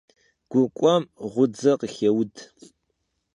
Gu k'uem gudze khıxêud.